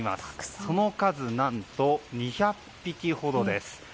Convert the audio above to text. その数、何と２００匹ほどです。